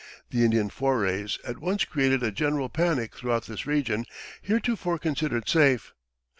The Indian forays at once created a general panic throughout this region, heretofore considered safe.